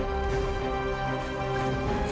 assalamualaikum warahmatullahi wabarakatuh